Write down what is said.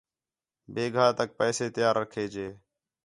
بِیگھا تک پیسے تیار رکھے جے